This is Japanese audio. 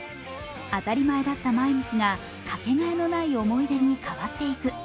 当たり前だった毎日がかけがえのない思い出に変わっていく。